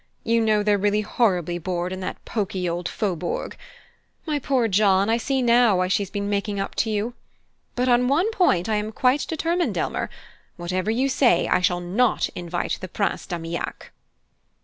You know they're really horribly bored in that poky old Faubourg. My poor John, I see now why she's been making up to you! But on one point I am quite determined, Elmer; whatever you say, I shall not invite the Prince d'Armillac."